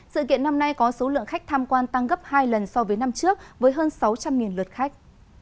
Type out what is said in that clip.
sự kiện năm nay có số lượng khách tham quan tăng gấp hai lần so với năm trước với hơn sáu trăm linh lượt khách